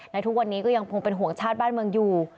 และทุกวันนี้ก็ยังคงเป็นห่วงชาติบ้านเมืองอยู่